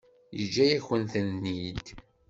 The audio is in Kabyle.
Yeǧǧa-yakent-ten-id.